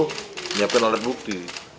menyiapkan alat bukti